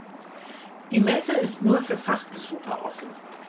Die Messe ist nur für Fachbesucher offen.